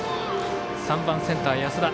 ３番、センター、安田。